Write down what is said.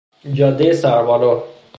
جادهی سربالا